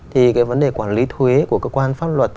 thì cái vấn đề quản lý thuế của cơ quan pháp luật